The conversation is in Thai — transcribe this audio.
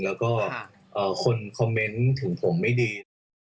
แล้วก็คนคอมเมนต์ถึงผมไม่ดี